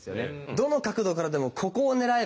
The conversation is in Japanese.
どの角度からでもここを狙えば。